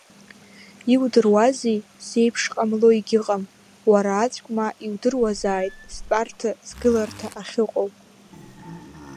Иудыруазеи зеиԥшҟамло егьыҟам, уара аӡәк ма иудыруазааит стәарҭа-сгыларҭа ахьыҟоу!